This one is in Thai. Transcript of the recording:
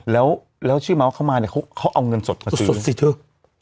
แล้วชื่อมาว่าเข้ามาเค้าเอาเงินสดมาซื้อ